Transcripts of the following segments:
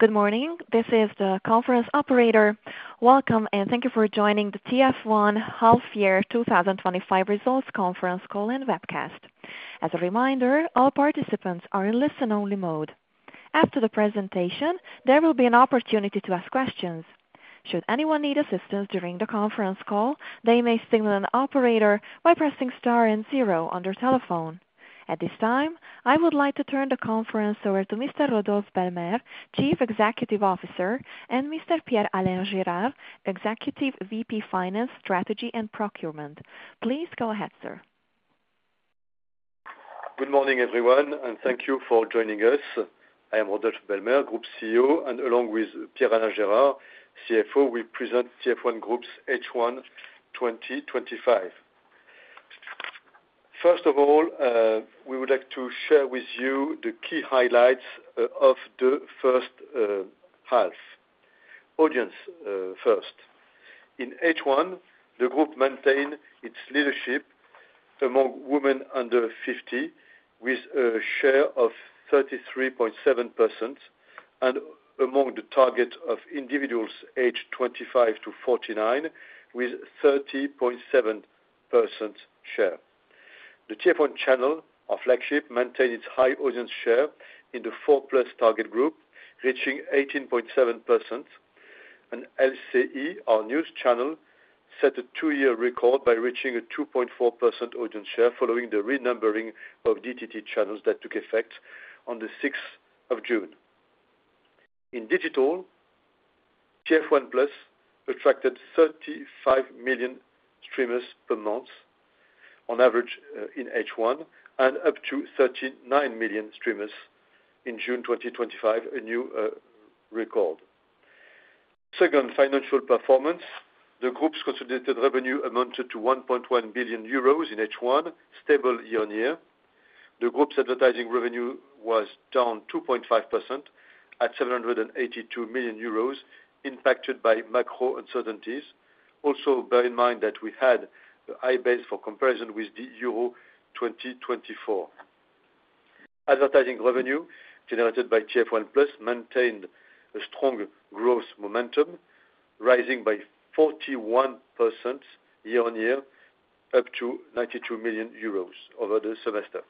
Good morning, this is the conference operator. Welcome and thank you for joining the TF1 half year 2025 results conference call and webcast. As a reminder, all participants are in listen-only mode. After the presentation, there will be an opportunity to ask questions. Should anyone need assistance during the conference call, they may signal an operator by pressing star and zero on their telephone. At this time, I would like to turn the conference over to Mr. Rodolphe Belmer, Chief Executive Officer, and Professor Pierre-Alain Gérard, Executive Vice President, Finance Strategy and Procurement. Please go ahead, sir. Good morning, everyone, and thank you for joining us. I am Rodolphe Belmer, Groupe CEO, and along with Pierre-Alain Gérard, CFO, we present TF1 Groupe's H1 2025. First of all, we would like to share with you the key highlights of the first half audience. First, in H1 the Groupe maintained its leadership among women under 50 with a share of 33.7% and among the target of individuals aged 25 to 49 with 30.7% share. The TF1 channel, our flagship, maintained its high audience share in the four target Groupe reaching 18.7% and LCI, our news channel, set a two-year record by reaching a 2.4% audience share following the renumbering of DTT channels that took effect on 6th June. In digital, TF1+ attracted 35 million streamers per month on average in H1 and up to 39 million streamers in June 2025, a new record. Second, financial performance, the Groupe's consolidated revenue amounted to €1.1 billion in H1, stable year on year. The Groupe's advertising revenue was down 2.5% at €782 million, impacted by macro uncertainties. Also bear in mind that we had a high base for comparison with the Euro 2024. Advertising revenue generated by TF1+ maintained a strong growth momentum, rising by 41% year on year up to €92 million over the semester.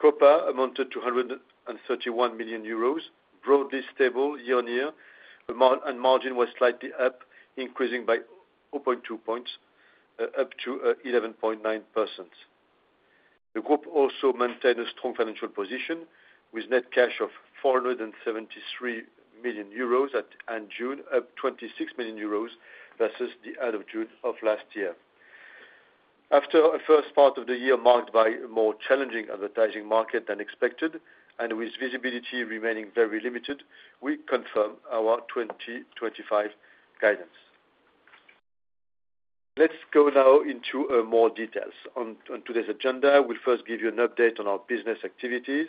COPA amounted to €131 million, broadly stable year on year, and margin was slightly up, increasing by 0.2 points up to 11.9%. The Groupe also maintained a strong financial position with net cash of €473 million at end June, up €26 million versus the end of June of last year. After a first part of the year marked by a more challenging advertising market than expected and with visibility remaining very limited, we confirm our 2025 guidance. Let's go now into more details on today's agenda. We'll first give you an update on our business activities,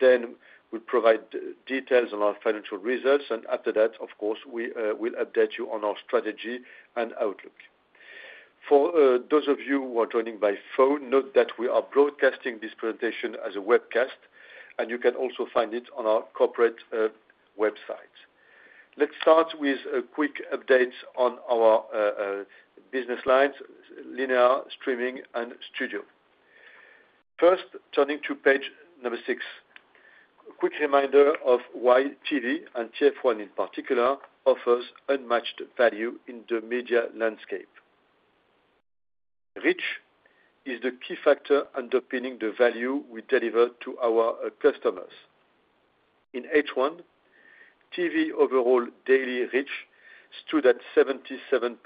then we'll provide details on our financial results, and after that, of course, we will update you on our strategy and outlook. For those of you who are joining by phone, note that we are broadcasting this presentation as a webcast, and you can also find it on our corporate website. Let's start with a quick update on our business lines, Linear, Streaming, and Studio. First, turning to page number six, a quick reminder of why TV and TF1 in particular offers unmatched value in the media landscape. Reach is the key factor underpinning the value we deliver to our customers. In H1TV, overall daily reach stood at 77%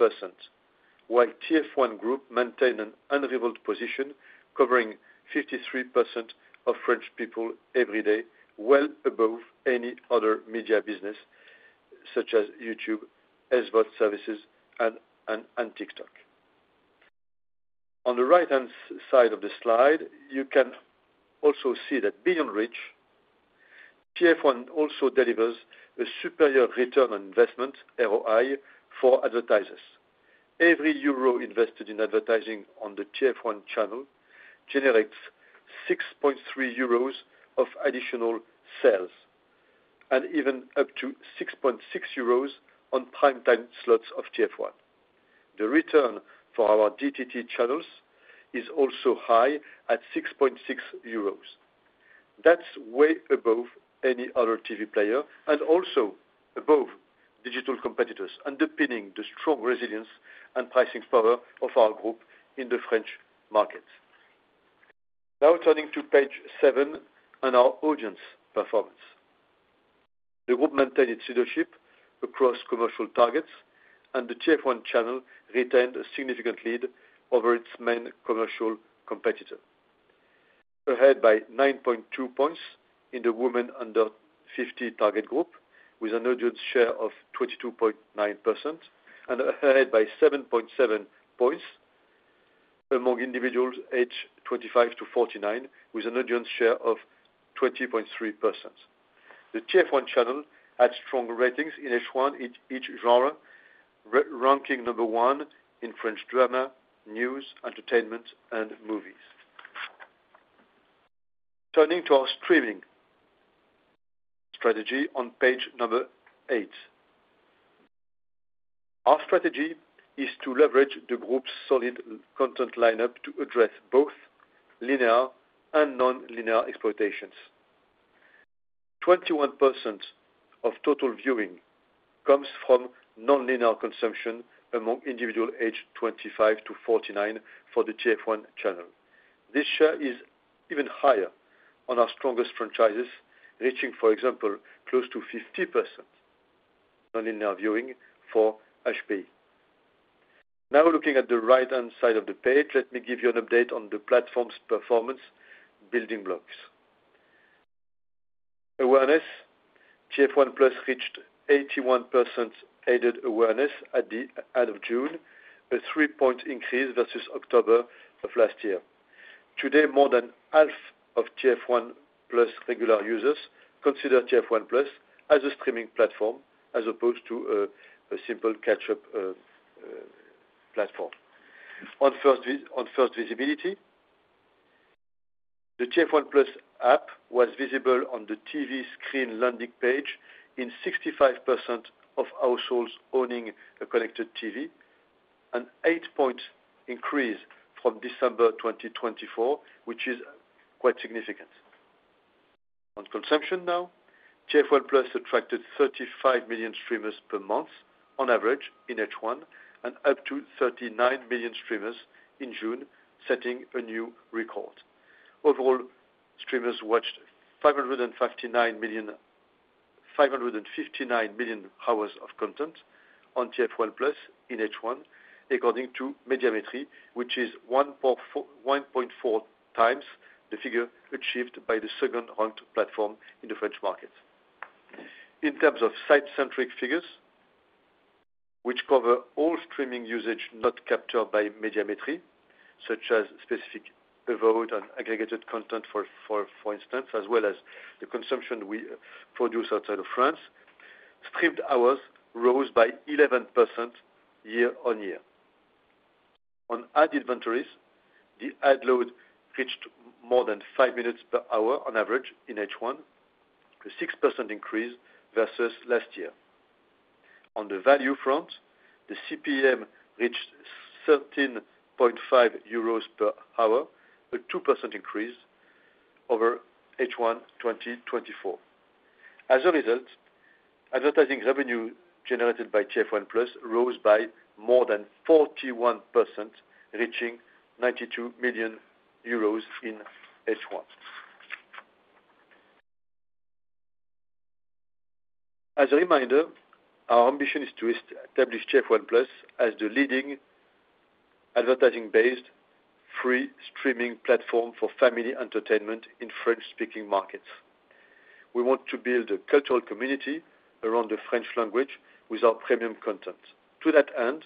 while TF1 Groupe maintained an unrivaled position covering 53% of French people every day, well above any other media business such as YouTube, SVOD services, and TikTok. On the right-hand side of the slide, you can also see that beyond reach, TF1 also delivers a superior return on investment for advertisers. Every euro invested in advertising on the TF1 channel generates €6.3 of additional sales and even up to €6.6 on prime time slots of TF1. The return for our DTT channels is also high at €6.6. That's way above any other TV player and also above digital competitors, underpinning the strong resilience and pricing power of our Groupe in the French market. Now turning to page seven and our audience performance. The Groupe maintained its leadership across commercial targets, and the TF1 channel retained a significant lead over its main commercial competitor, ahead by 9.2 points in the Women Under 50 target Groupe with an audience share of 22.9% and ahead by 7.7 points among individuals aged 25 to 49, with an audience share of 20.3%. The TF1 channel had strong ratings in H1 in each genre, ranking number one in French drama, news, entertainment, and movies. Turning to our streaming strategy on page number eight, our strategy is to leverage the Groupe's solid content lineup to address both linear and non-linear exploitations. 21% of total viewing comes from non-linear consumption among individuals aged 25 to 49 for the TF1 channel. This share is even higher on our strongest franchises, reaching, for example, close to 50% non-linear viewing for HP. Now, looking at the right-hand side of the page, let me give you an update on the platform's performance. Building blocks: awareness, TF1+ reached 81% aided awareness at the end of June, a three-point increase versus October of last year. Today, more than half of TF1+ regular users consider TF1+ as a streaming platform as opposed to a simple catch-up platform. On first visibility, the TF1+ app was visible on the TV screen landing page in 65% of households owning a connected TV, an 8-point increase from December 2023, which is quite significant. On consumption now, TF1+ attracted 35 million streamers per month on average in H1 and up to 39 million streamers in June, setting a new record. Overall, streamers watched 559 million hours of content on TF1+ in H1 according to Médiamétrie, which is 1.4 times the figure achieved by the second-ranked platform in the French market. In terms of site-centric figures, which cover all streaming usage not captured by Médiamétrie, such as specific, devoted, and aggregated content, for instance, as well as the consumption we produce outside of France, streamed hours rose by 11% year on year. On ad inventories, the ad load reached more than 5 minutes per hour on average in H1, a 6% increase versus last year. On the value front, the CPM reached €13.5 per hour, a 2% increase over H1 2024. As a result, advertising revenue generated by TF1 rose by more than 41%, reaching €92 million in H1. As a reminder, our ambition is to establish TF1+ as the leading advertising-based free streaming platform for family entertainment in French-speaking markets. We want to build a cultural community around the French language without premium content. To that end,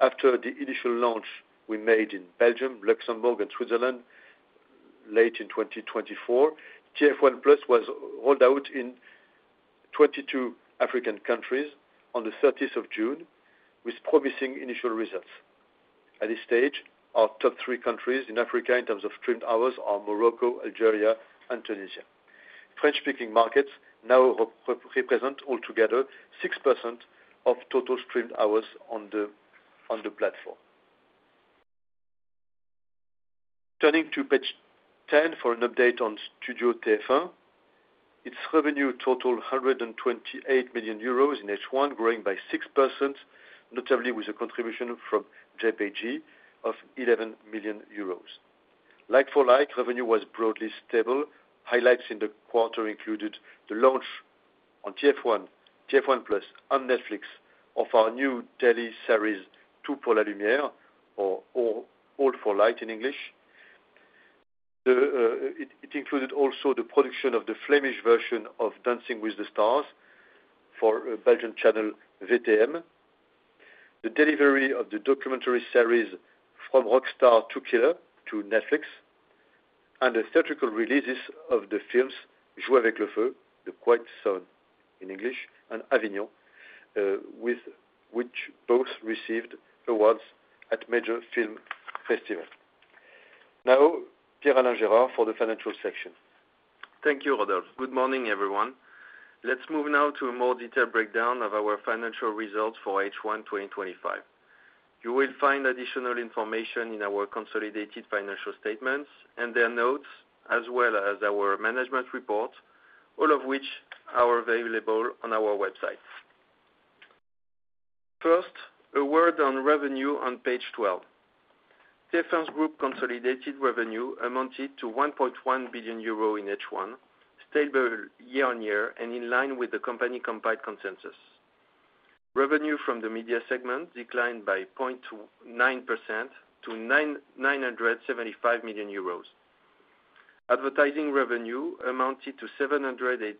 after the initial launch we made in Belgium, Luxembourg, and Switzerland late in 2024, TF1+ was rolled out in 22 African countries on June 30 with promising initial results. At this stage, our top three countries in Africa in terms of streamed hours are Morocco, Algeria, and Tunisia. French-speaking markets now altogether represent 6% of total streamed hours on the platform. Turning to page 10 for an update on Studio TF1. Its revenue totaled €128 million in H1, growing by 6%, notably with a contribution from JPG of €11 million. Like-for-like, revenue was broadly stable. Highlights in the quarter included the launch on TF1, TF1+, and Netflix of our new daily series Tout pour la lumière, or All for Light in English. It included also the production of the Flemish version of Dancing with the Stars for Belgian channel VTM, the delivery of the documentary series From Rockstar to Killer to Netflix, and the theatrical releases of the films Jouer avec le feu, The Quiet Son in English, and Avignon, with both receiving awards at major film festivals. Now Pierre-Alain Gérard for the Financial section. Thank you, Rodolphe. Good morning, everyone. Let's move now to a more detailed breakdown of our financial results for H1 2025. You will find additional information in our consolidated financial statements and their notes, as well as our management report, all of which are available on our website. First, a word on revenue on page 12. TF1 Groupe consolidated revenue amounted to €1.1 billion in H1, stable year on year and in line with the company compiled consensus. Revenue from the media segment declined by 0.9% to €975 million. Advertising revenue amounted to €782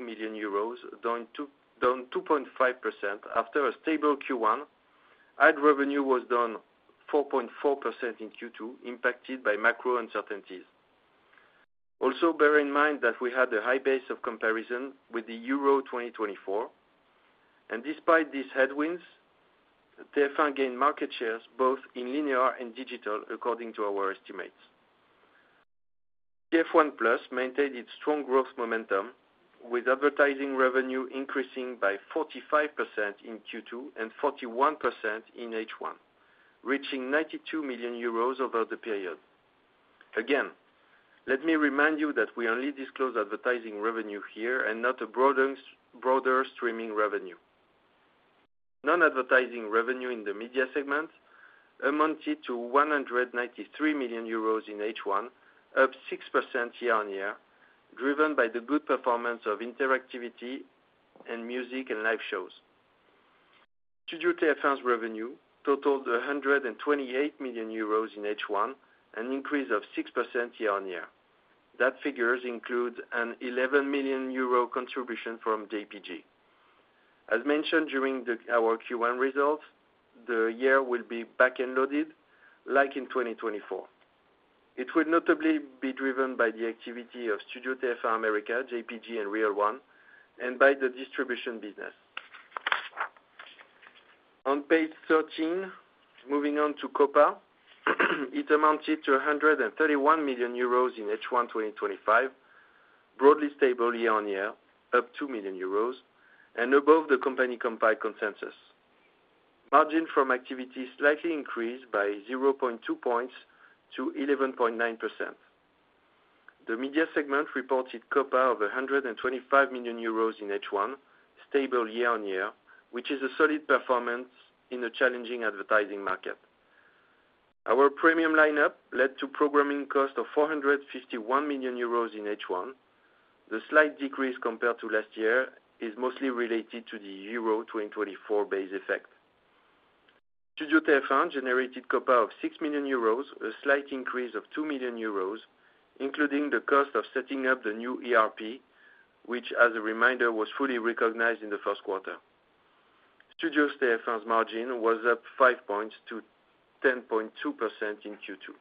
million, down 2.5%. After a stable Q1, ad revenue was down 4.4% in Q2, impacted by macro uncertainties. Also, bear in mind that we had a high base of comparison with the Euro 2024, and despite these headwinds, TF1 gained market shares both in linear and digital. According to our estimates, TF1+ maintained its strong growth momentum with advertising revenue increasing by 45% in Q2 and 41% in H1, reaching €92 million over the period. Again, let me remind you that we only disclose advertising revenue here and not a broader streaming revenue. Non-advertising revenue in the media segment amounted to €193 million in H1, up 6% year on year, driven by the good performance of interactivity and music and live shows. Studio TF1's revenue totaled €128 million in H1, an increase of 6% year on year. That figure includes an €11 million contribution from JPG. As mentioned during our Q1 results, the year will be back end loaded like in 2024. It will notably be driven by the activity of Studio TF1, America, JPG, and Real1 and by the distribution business on page 13. Moving on to COPA, it amounted to €131 million in H1 2025, broadly stable year on year, up €2 million and above the company compiled consensus. Margin from activity slightly increased by 0.2 points to 11.9%. The media segment reported COPA of €125 million in H1, stable year on year, which is a solid performance in a challenging advertising market. Our premium lineup led to programming cost of €451 million in H1. The slight decrease compared to last year is mostly related to the Euro 2024 base effect. Studio TF1 generated COPA of €6 million, a slight increase of €2 million, including the cost of setting up the new ERP, which, as a reminder, was fully recognized in the first quarter. Studio TF1's margin was up 5 points to 10.2% in Q2.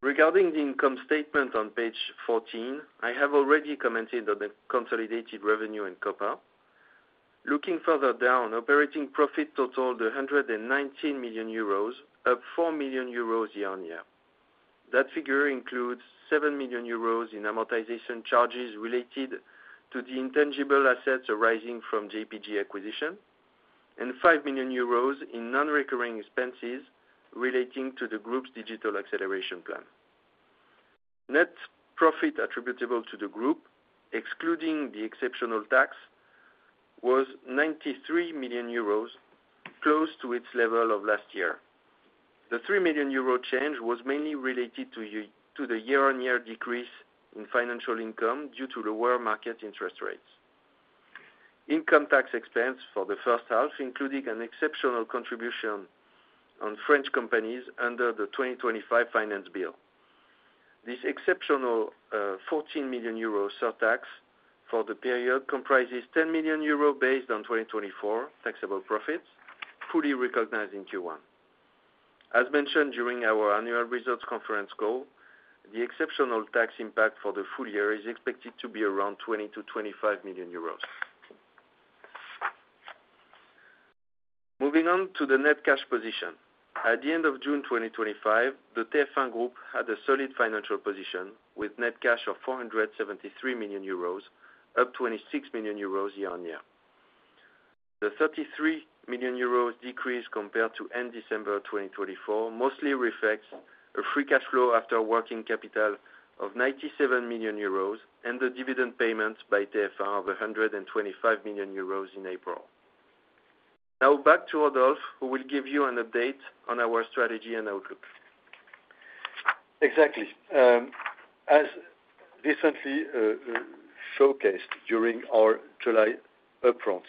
Regarding the income statement on page 14, I have already commented on the consolidated revenue in COPA. Looking further down, operating profit totaled €119 million, up €4 million year-on-year. That figure includes €7 million in amortization charges related to the intangible assets arising from JPG acquisition and €5 million in non-recurring expenses relating to. The Groupe's digital acceleration plan. Net profit attributable to the Groupe excluding. The exceptional tax was €93 million, close to its level of last year. The €3 million change was mainly related to the year-on-year decrease in financial income due to lower market interest rates. Income tax expense for the first half, including an exceptional contribution on French companies. Under the 2025 Finance Bill, this exceptional €14 million surtax for the period comprises €10 million based on 2024 taxable profits, fully recognized in Q1. As mentioned during our annual results conference call, the exceptional tax impact for the full year is expected to be around €20 to €25 million. Moving on to the net cash position at the end of June 2025, the TF1 Groupe had a solid financial position with net cash of €473 million, up €26 million year on year. The €33 million decrease compared to end December 2024 mostly reflects a free cash flow after working capital of €97 million and the dividend payments by TF1 of €125 million in April. Now back to Rodolphe, who will give you an a date on our strategy outlook. Exactly as recently showcased during our July upfront,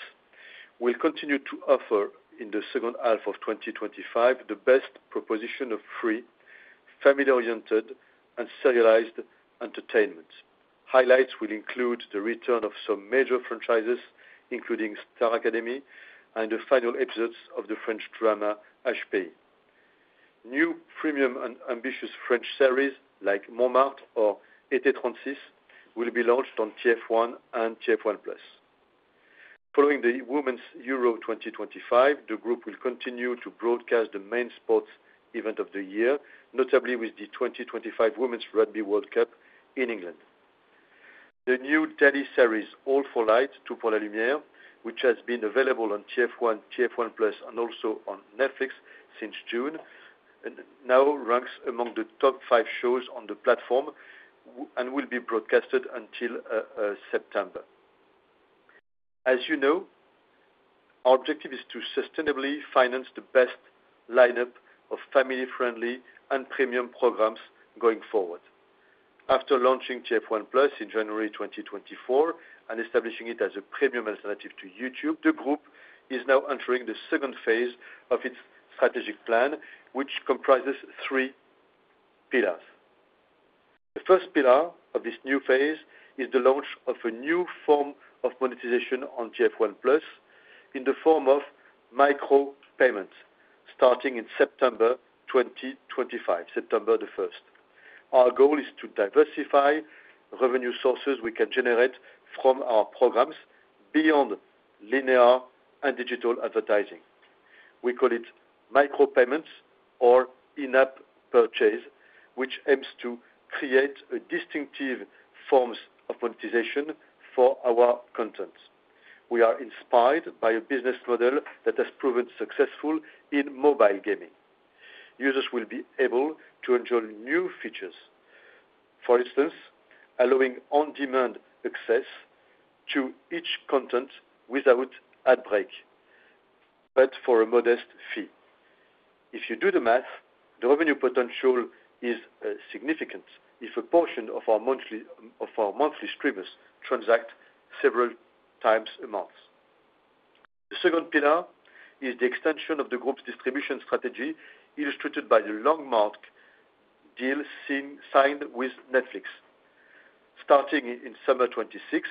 we'll continue to offer in the second half of 2025 the best proposition of free, family-oriented, and serialized entertainment. Highlights will include the return of some major franchises, including Star Academy and the final episodes of the French drama HPI. New premium and ambitious French series like Montmartre or ETA Transit will be launched on TF1 and TF1+ following the Women's Euro 2025. The Groupe will continue to broadcast the main sports event of the year, notably with the 2025 Women's Rugby World Cup in England. The new Teddy series, All for Light Tout pour la Lumière, which has been available on TF1, TF1+, and also on Netflix since June, now ranks among the top five shows on the platform and will be broadcast until September. As you know, our objective is to sustainably finance the best lineup of family-friendly and premium programs going forward. After launching TF1+ in January 2024 and establishing it as a premium alternative to YouTube, the Groupe is now entering the second phase of its strategic plan, which comprises three pillars. The first pillar of this new phase is the launch of a new form of monetization on TF1+ in the form of micropayments starting in September 2025. September 1st, our goal is to diversify revenue sources we can generate from our programs beyond linear and digital advertising. We call it micropayments or in-app purchase, which aims to create distinctive forms of monetization for our content. We are inspired by a business model that has proven successful in mobile gaming. Users will be able to enjoy new features, for instance, allowing on-demand access to each content without ad break, but for a modest fee. If you do the math, the revenue potential is significant if a portion of our monthly streamers transact several times a month. The second pillar is the extension of the Groupe's distribution strategy, illustrated by the landmark deal signed with Netflix. Starting in Summer 2026,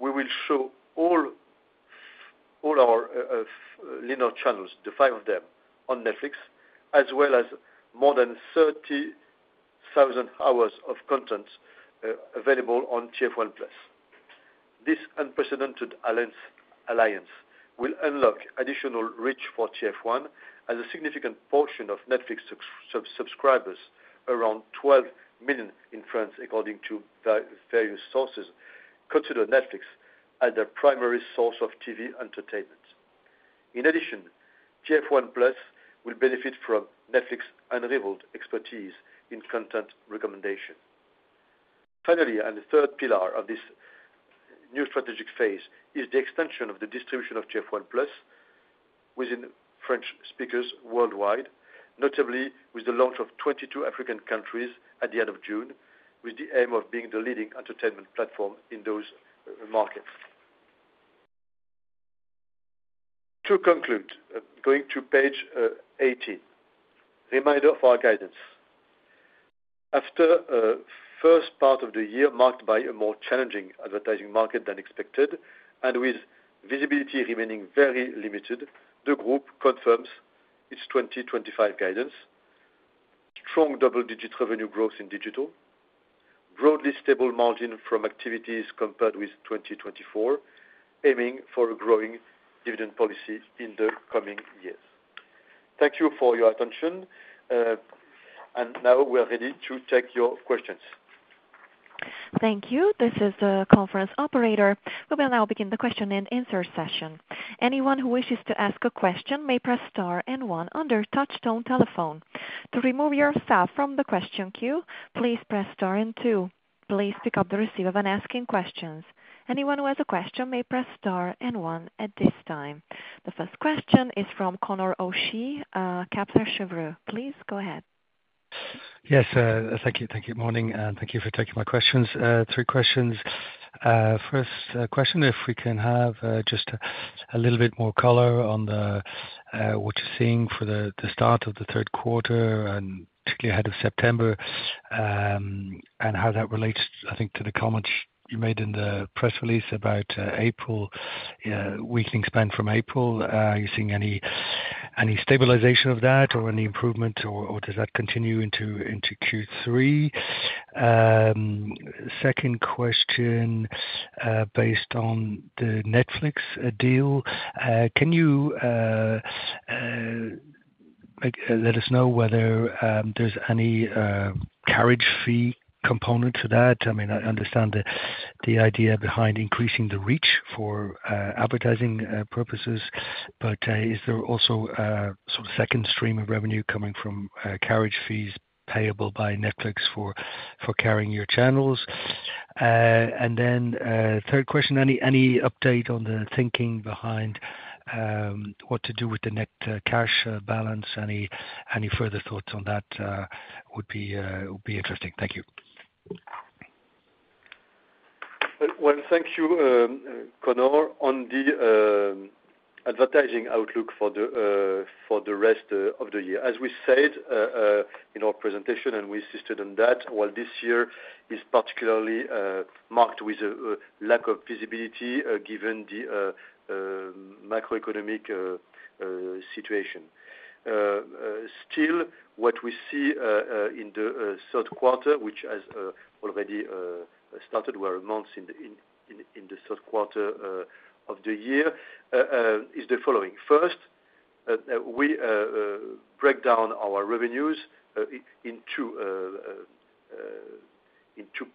we will show all our linear channels, the five of them, on Netflix, as well as more than 30,000 hours of content available on TF1+. This unprecedented alliance will unlock additional reach for TF1+ as a significant portion of Netflix subscribers, around 12 million in France, according to various sources, consider Netflix as their primary source of TV entertainment. In addition, TF1+ will benefit from Netflix's unrivaled expertise in content recommendation. Finally, the third pillar of this new strategic phase is the extension of the distribution of TF1+ within French-speaking markets worldwide, notably with the launch in 22 African countries at the end of June, with the aim of being the leading entertainment platform in those markets. To conclude, going to page 18, reminder of our guidance after the first part of the year marked by a more challenging advertising market than expected and with visibility remaining very limited, the Groupe confirms its 2025 guidance. Strong double-digit revenue growth in digital, broadly stable margin from activities compared with 2024, aiming for a growing dividend policy in the coming years. Thank you for your attention, and now we are ready to take your questions. Thank you. This is the conference operator. We will now begin the question-and-answer session. Anyone who wishes to ask a question may press star and one on their touch-tone telephone. To remove yourself from the question queue, please press star and two. Please pick up the receiver when asking questions. Anyone who has a question may press star, and one at this time. The first question is from Conor O'Shea, Kepler Cheuvreux. Please go ahead. Yes, thank you. Thank you, morning, and thank you for taking my questions. Three questions. First question, if we can have just a little bit more color on what you're seeing for the start of the third quarter and particularly ahead of September, and how that relates, I think, to the comments you made in the press release about April weakening span from April. Are you seeing any stabilization of that or any improvement, or does that continue into Q3? Second question, based on the Netflix deal, can you let us know whether there's any carriage fee component to that? I mean, I understand the idea behind increasing the reach for advertising purposes, but is there also a second stream of revenue coming from carriage fees payable by Netflix for carrying your channels? Third question, any update on the thinking behind what to do with the net cash balance? Any further thoughts on that would be interesting. Thank you. Thank you, Conor. On the advertising outlook for the rest of the year, as we said in our presentation and we insisted on that, this year is particularly marked with a lack of visibility given the macroeconomic situation. Still, what we see in the third quarter, which has already started, where a month in the third quarter of the year, is the following. First, we break down our revenues in two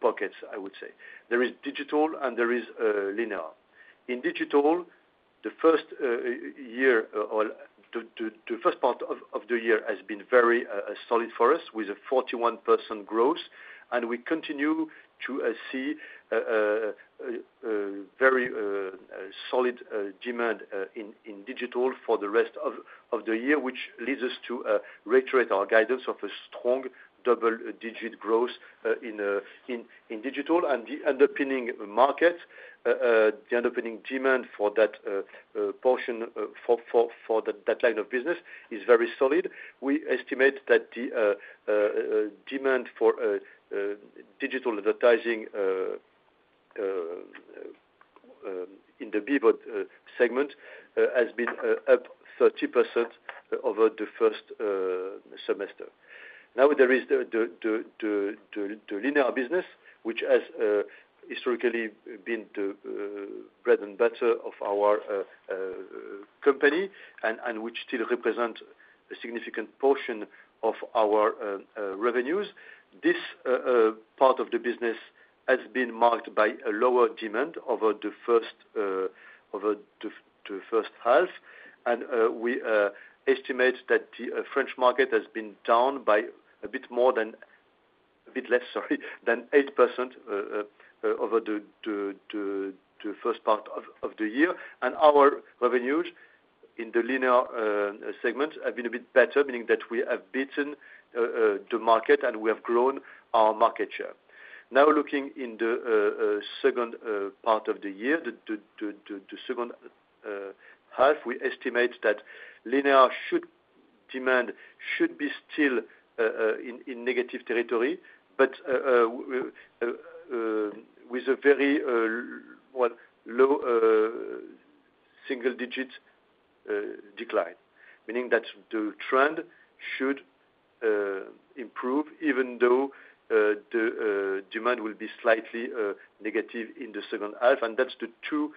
pockets. I would say there is digital and there is linear. In digital, the first part of the year has been very solid for us with a 41% growth, and we continue to see very solid demand in digital for the rest of the year, which leads us to reiterate our guidance of a strong double-digit growth in digital and the underpinning market. The underpinning demand for that portion, for that line of business, is very solid. We estimate that the demand for digital advertising in the BVOD segment has been up 30% over the first semester. Now, there is the linear business, which has historically been the bread and butter of our company and which still represents a significant portion of our revenues. This part of the business has been marked by a lower demand over the first half, and we estimate that the French market has been down by a bit less than 8% over the first part of the year, and our revenues in the linear segment have been a bit better, meaning that we have beaten the market and we have grown our market share. Looking in the second part of the year, the second half, we estimate that linear demand should be still in negative territory but with a very low single-digit decline, meaning that the trend should improve even though the demand will be slightly negative in the second half. Those are the two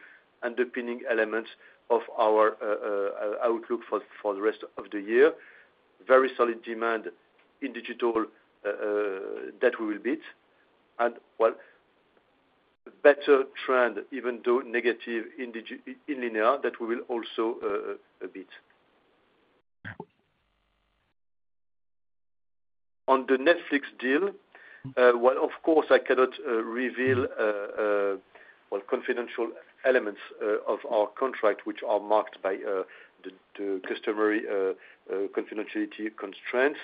underpinning elements of our outlook for the rest of the year: very solid demand in digital that we will beat and better trend, even though negative, in linear that we will also beat. On the Netflix deal, of course, I cannot reveal confidential elements of our contract, which are marked by the customary confidentiality constraints.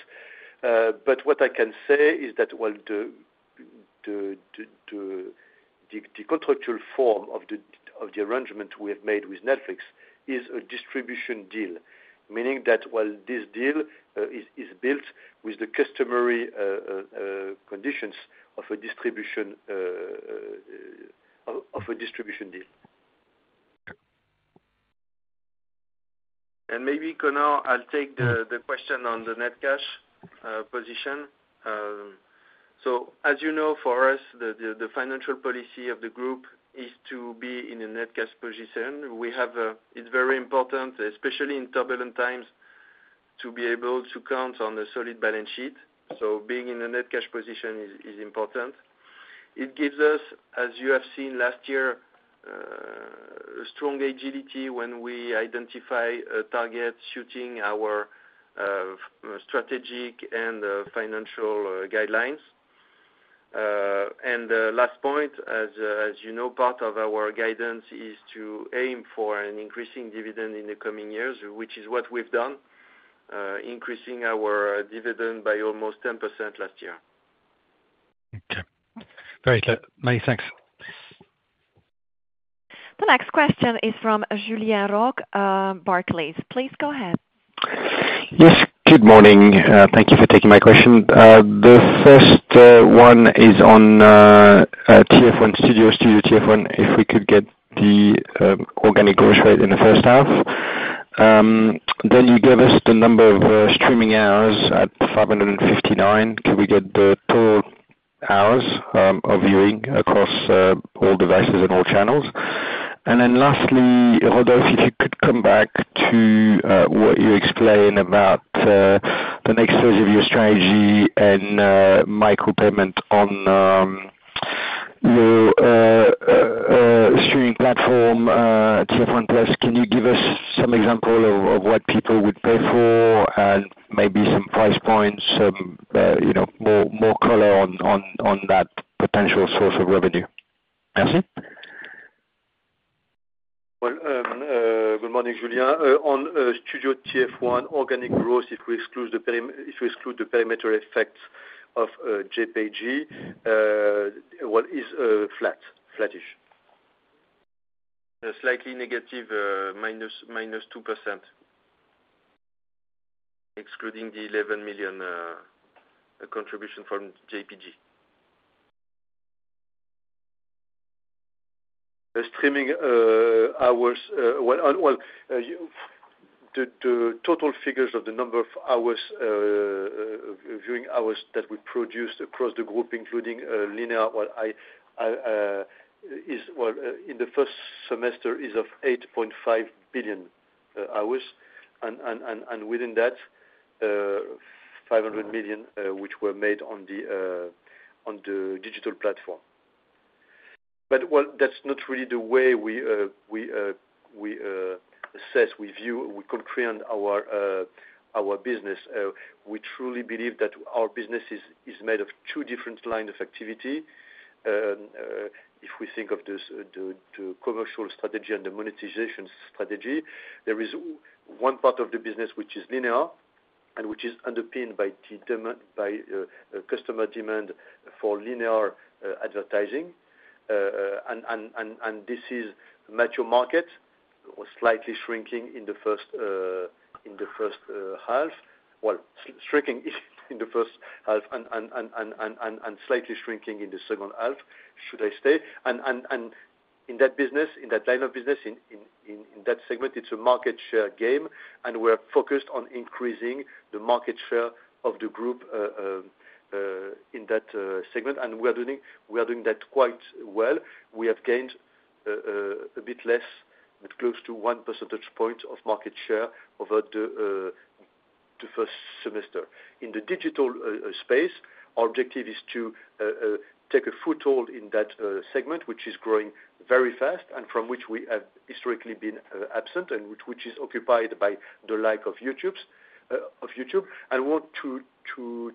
What I can say is that the contractual form of the arrangement we have made with Netflix is a distribution deal, meaning that this deal is built with the customary conditions of a distribution deal. Maybe, Conar, I'll take the question on the net cash position. As you know, for us, the Financial Policy of the Groupe is to be in a net cash position. We have. It's very important, especially in turbulent times, to be able to count on the solid balance sheet. Being in a net cash position is important. It gives us, as you have seen. Last year, strong agility when we identify a target suiting our strategic and financial guidelines. The last point, as you know, part of our guidance is to aim for an increasing dividend in the coming years, which is what we've done, increasing our dividend by almost 10% last year. Okay, very clear. May, thanks. The next question is from Julien Roques, Barclays. Please go ahead. Yes, good morning. Thank you for taking my question. The first one is on Studio, Studio TF1, if we could get the. Organic growth rate in the first half, then you gave us the number of streaming hours at 559. Can we get the total hours of viewing across all devices and all channels? Lastly, Rodolphe, if you could come back to what you explained about the next phase of your strategy and Micropayment on your streaming platform, TF1+. Can you give us some example of what people would pay for, and maybe some price points, more color on that potential source of revenue? Good morning, Julien. On Studio TF1 organic growth, if we exclude the perimeter effects of JPG, it is flat, flattish. Slightly negative, minus 2% excluding the €11 million contribution from JPG. Streaming hours. The total figures of the number of hours, viewing hours that we produced across the Groupe, including linear, in the first semester is 8.5 billion hours. Within that, 500 million were made on the digital platform. That's not really the way we assess. We view, we comprehend our business. We truly believe that our business is made of two different lines of activity. If we think of the commercial strategy and the monetization strategy, there is one part of the business which is linear and which is underpinned by customer demand for linear advertising. This is a mature market, slightly shrinking in the first half. Shrinking is in the first half and slightly shrinking in the second half. Should I stay in that business, in that line of business, in that segment? It's a market share game, and we're focused on increasing the market share of the Groupe in that segment. We are doing that quite well. We have gained a bit less, close to 1% of market share over the first semester. In the digital space, our objective is to take a foothold in that segment, which is growing very fast and from which we have historically been absent, and which is occupied by the likes of YouTube. and want to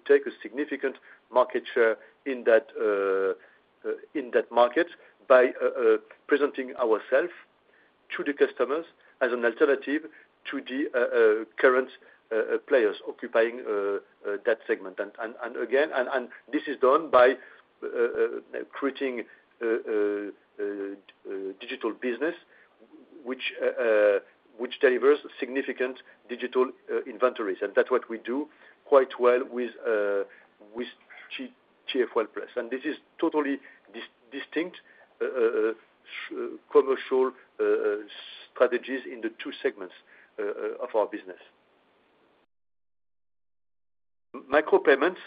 take a significant market share in that market by presenting ourselves to the customers as an alternative to the current players occupying that segment. This is done by creating digital business which delivers significant digital inventories. That's what we do quite well with gf, well, press. This is totally distinct commercial strategies in the two segments of our business. Micropayments,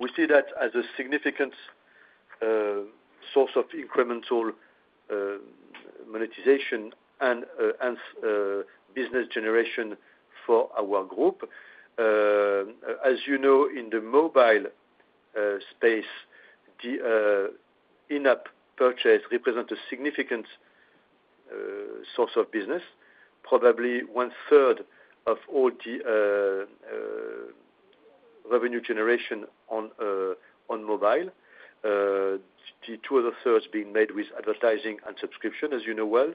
we see that as a significant source of incremental monetization and business generation for our Groupe. As you know, in the mobile space, the in-app purchase represents a significant source of business, probably one-third of all the revenue generation on mobile. Two of the third being made with advertising and subscription, as you know well.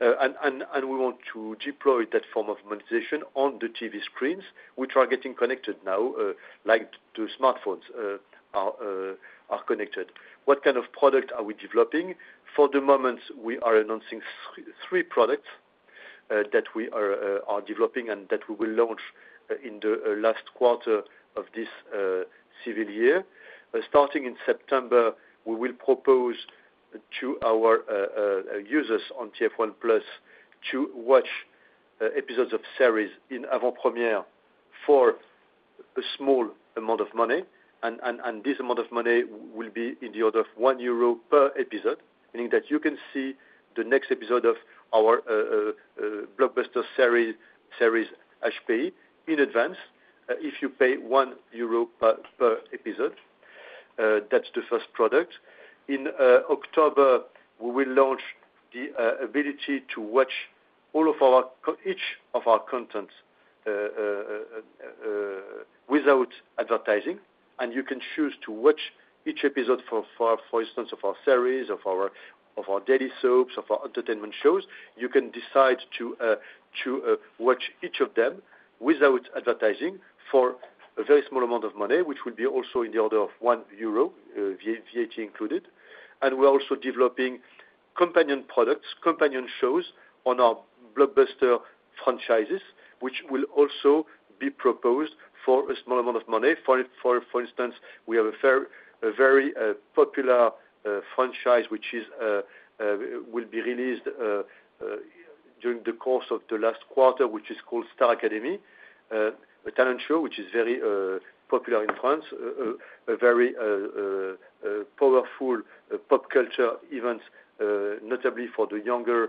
We want to deploy that form of mobile monetization on the TV screens, which are getting connected now, like the smartphones are connected. What kind of product are we developing? For the moment, we are announcing three products that we are developing and that we will launch in the last quarter of this civil year. Starting in September, we will propose to our users on TF1 to watch episodes of series in Avant Première for a small amount of money. This amount of money will be in the order of €1 per episode, meaning that you can see the next episode of our blockbuster series Ashpay in advance. If you pay €1 per episode, that's the first product. In October, we will launch the ability to watch each of our content without advertising. You can choose to watch each episode, for instance, of our series, of our daily soaps, of our entertainment shows. You can decide to watch each of them without advertising for a very small amount of money, which will be also in the order of €1, VAT included. We are also developing companion products, companion shows on our blockbuster franchises, which will also be proposed for a small amount of money. For instance, we have a very popular franchise which will be released during the course of the last quarter, which is called Star Academy, a talent show which is very popular in France, a very powerful pop culture event, notably for the younger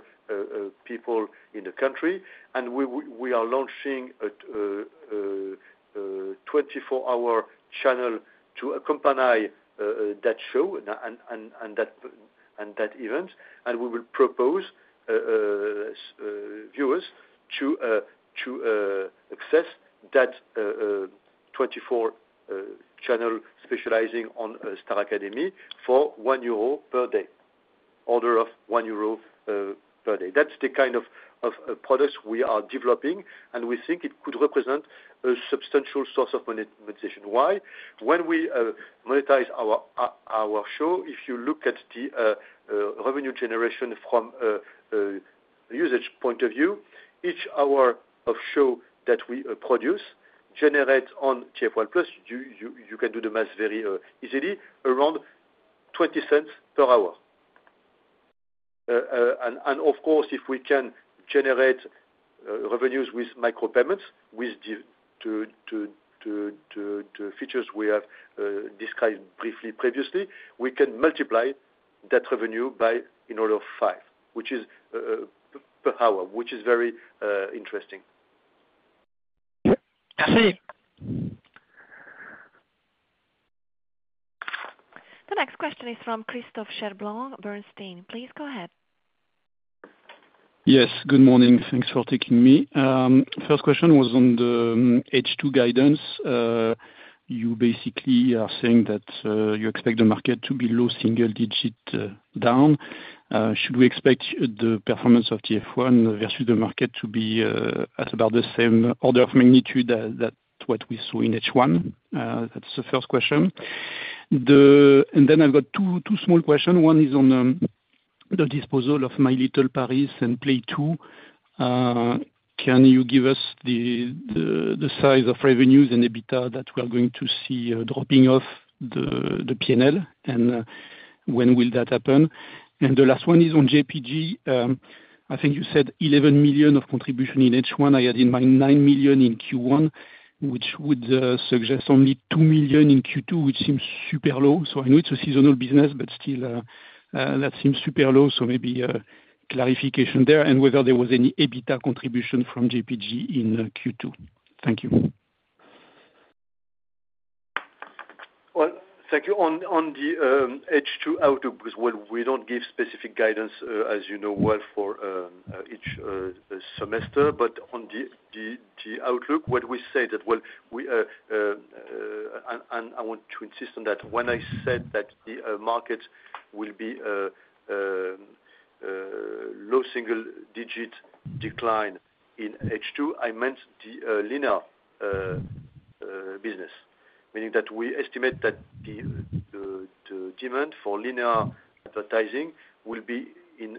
people in the country. We are launching a 24-hour channel to accompany that show and that event. We will propose viewers to access that 24-hour channel specializing on Star Academy for €1 per day, order of €1 per day. That's the kind of products we are developing, and we think it could represent a substantial source of monetization. When we monetize our show, if you look at the revenue generation from usage point of view, each hour of show that we produce generates on TF1+, you can do the math very easily—around $0.20 per hour. If we can generate revenues with micropayments with features we have described briefly previously, we can multiply that revenue by in order of five, which is per hour, which is very interesting. The next question is from Christophe Cherblanc, Bernstein. Please go ahead. Yes, good morning. Thanks for taking me. First question was on the H2 guidance, you basically are saying that you expect the market to be low single digit down. Should we expect the performance of TF1 versus the market to be at about the same order of magnitude that what we saw in H1? That's the first question. I've got two small questions. One is on the disposal of My Little Paris and Play Two. Can you give us the size of revenues and EBITDA that we are going to see dropping off the P&L, and when will that happen? The last one is on JPG. I think you said $11 million of contribution in H1. I had in my $9 million in Q1, which would suggest only $2 million in Q2, which seems super low. I know it's a seasonal business, but still, that seems super low. Maybe clarification there, and whether there was any EBITDA contribution from JPG in Q2. Thank you. Thank you. On the H2 outlook, we don't give specific guidance, as you know well, for each semester. On the outlook, what we say is that I want to insist on that. When I said that the market will. Be. Low single-digit decline in H2, I meant the linear business, meaning that we estimate that the demand for linear advertising will be in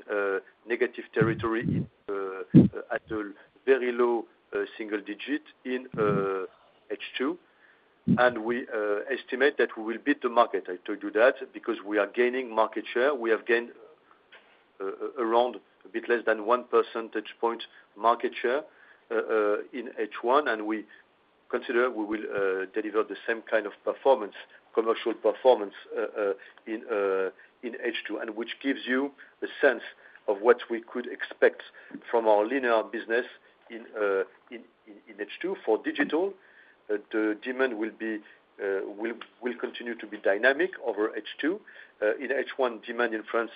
negative territory at a very low single digit in H2, and we estimate that we will beat the market. I told you that because we are gaining market share. We have gained around a bit less than 1 percentage point market share in H1, and we consider we will deliver the same kind of performance, commercial performance, in H2, which gives you a sense of what we could expect from our linear business in H2. For digital, the demand will continue to be dynamic over H2. In H1, demand in France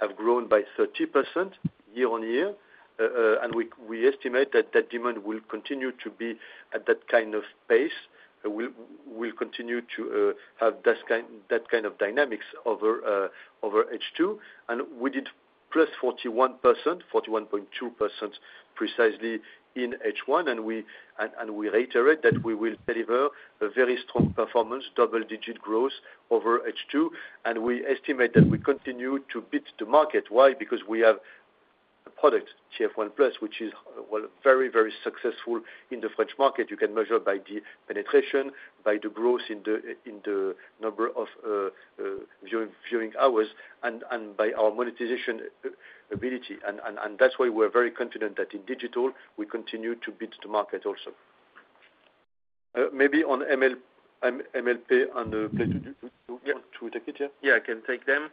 has grown by 30% year-on-year. We estimate that demand will continue to be at that kind of pace. We'll continue to have that kind of dynamics over H2, and we did. Plus 41%, 41.2% precisely in H1. We reiterate that we will deliver a very strong performance, double-digit growth over H2. We estimate that we continue to beat the market. Why? Because we have a product, TF1+, which is very, very successful in the French market. You can measure by the penetration, by the growth in the number of viewing hours, and by our monetization ability. That's why we're very confident that in digital we continue to beat the market also. Maybe on MLP, and take it here. I can take them.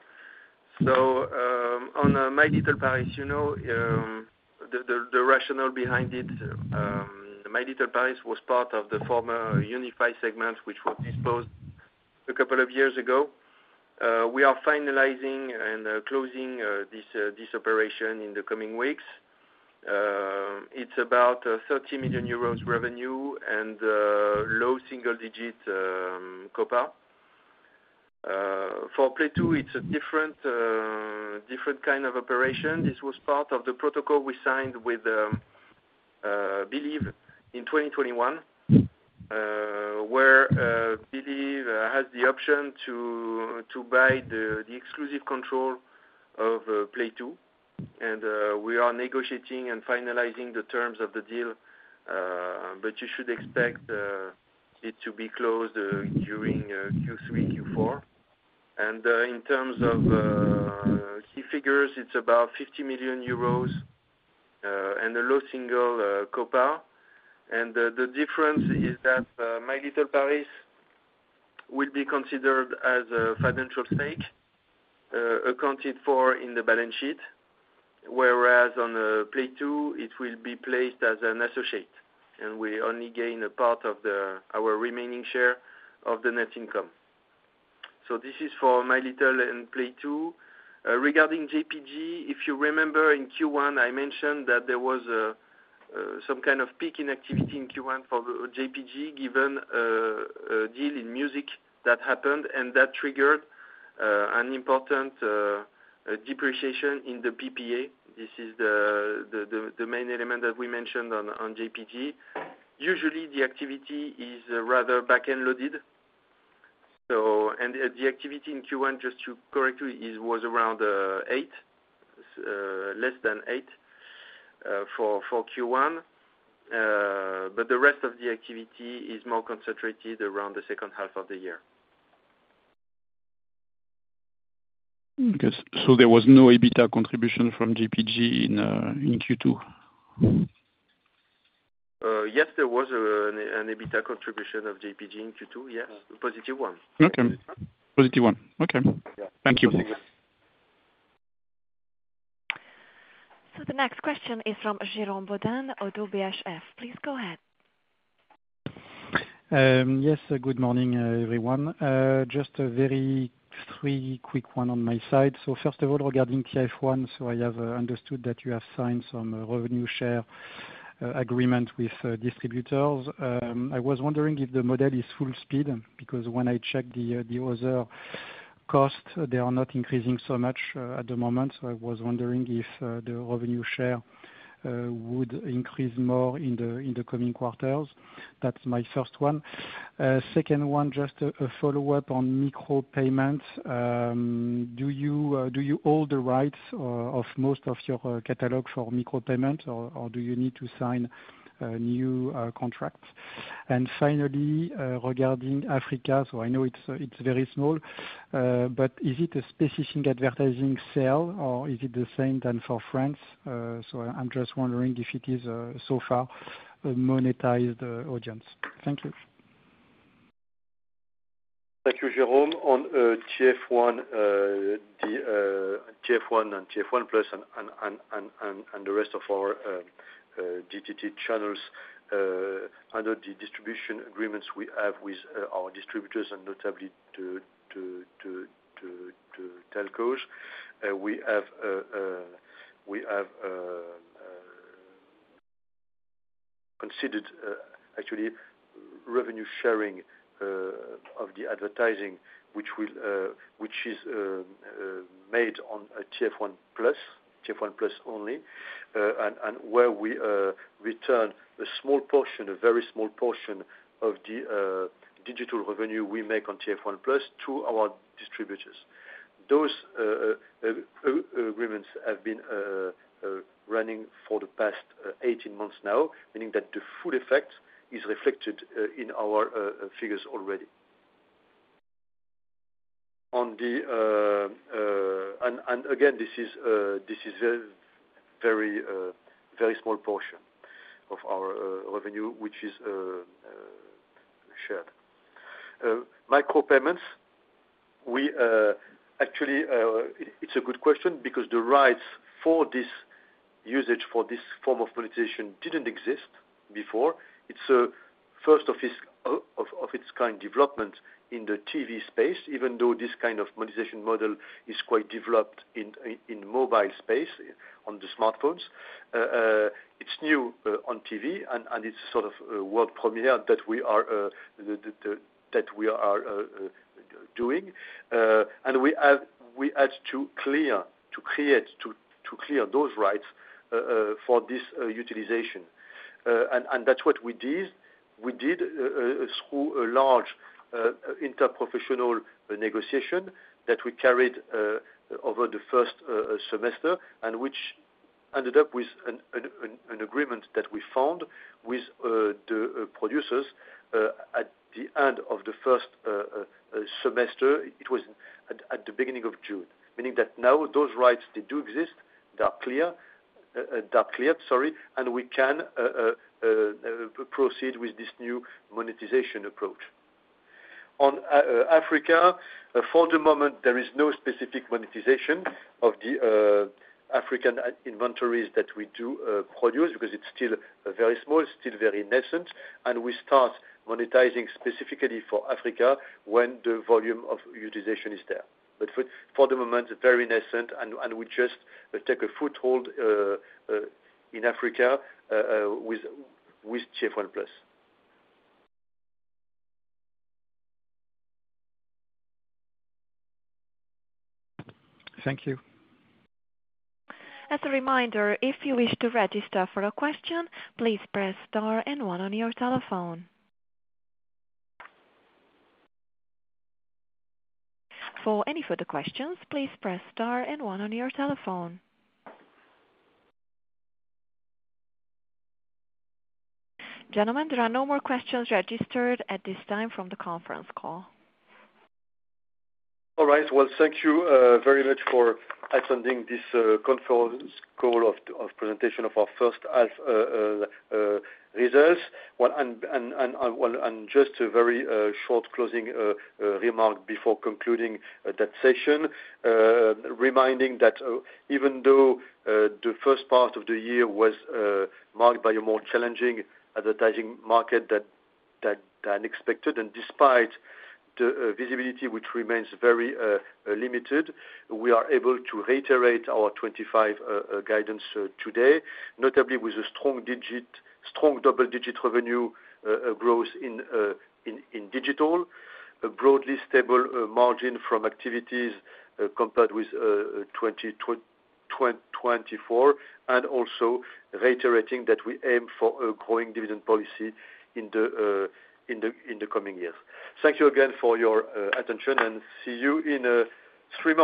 On My Little Paris, you know the rationale behind it. My Little Paris was part of the former unified segment, which was disposed a couple of years ago. We are finalizing and closing this operation in the coming weeks. It's about €30 million revenue and low single-digit COPA. For Play Two, it's a different kind of operation. This was part of the protocol. Signed with Be.Live in 2021, where Be.Live has the option to buy the exclusive. Control of Play Two. We are negotiating and finalizing the terms of the deal. You should expect it to be closed during Q3, Q4, and in terms of key figures, it's about €50 million and a low single COPA. The difference is that My Little Paris will be considered as a financial stake accounted for in the balance sheet, whereas on Play Two it will be placed as an associate, and we only gain a part of our remaining share of the net income. This is for My Little and Play Two. Regarding JPG, if you remember, in Q1, I mentioned that there was some kind of peak in activity in Q1 for the JPG given deal in music that happened, and that triggered an important depreciation in the PPA. This is the main element that we mentioned on JPG. Usually, the activity is rather back-end loaded, and the activity in Q1, just to correct you, was around 8, less than 8 for Q1. The rest of the activity is more concentrated around the second half of the year. There was no EBITDA contribution from JPG in Q2? Yes, there was an EBITDA contribution of JPG in Q2. Yes, positive one. Okay. Positive one. Okay, thank you. The next question is from Jérôme Bodin, ODDO BHF. Please go ahead. Yes, good morning everyone. Just three quick ones on my side. First of all, regarding TF1, I have understood that you have signed some revenue share agreement with distributors. I was wondering if the model is full speed because when I checked the other costs, they are not increasing so much at the moment. I was wondering if the revenue share would increase more in the coming quarters. That's my first one. Second one, just a follow-up on micropayments. Do you hold the rights? Of most of your catalog for micropayments, or do you need to sign new contracts? Finally, regarding Africa, I know it's very small, but is it a species in advertising, sale or is it the same as for France? I'm just wondering if it is so far a monetized audience. Thank you. Thank you, Jérôme. On TF1 and TF1+ and the rest of our DTT channels, under the distribution agreements we have with our distributors and notably to telcos, we have considered actually revenue sharing of the advertising which is made on TF1+ only, and where we return a small portion, a very small portion of the digital revenue we make on TF1+ to our distributors. Those agreements have been running for the past 18 months now, meaning that the full effect is reflected in our figures already. This is a very, very small portion of our revenue, which is shared. Micropayments, it's a good question because the rights for this usage, for this form of monetization, didn't exist before. It's a first-of-its-kind development in the TV space. Even though this kind of monetization model is quite developed in mobile space, on the smartphones, it's new on TV, and it's sort of world premiere that we are doing. We had to clear, to create, to clear those rights for this utilization. That's what we did through a large interprofessional negotiation that we carried over the first semester, and which ended up with an agreement that we found with the producers at the end of the first semester. It was at the beginning of June, meaning that now those rights, they do exist, they are cleared, and we can proceed with this new monetization approach. On Africa, for the moment, there is no specific monetization of the African inventories that we do produce because it's still very small, still very nascent. We start monetizing specifically for Africa when the volume of utilization is there, but for the moment very nascent, and we just take a foothold in Africa with TF1+. Thank you. As a reminder, if you wish to register for a question, please press star and one on your telephone. For any further questions, please press star and one on your telephone. Gentlemen, there are no more questions registered at this time from the conference call. All right, thank you very much for attending this conference call of presentation of our first and just a very short closing remark before concluding that session, reminding that even though the first part of the year was marked by a more challenging advertising market than expected, and despite the visibility which remains very limited, we are able to reiterate our 2025 guidance today, notably with a strong digit, strong double digit revenue growth in digital, a broadly stable margin from activities compared with 2024, and also reiterating that we aim for a growing dividend policy in the coming years. Thank you again for your attention, and see you in three.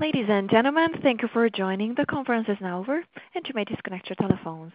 Ladies and gentlemen, thank you for joining. The conference is now over, and you may disconnect your telephones.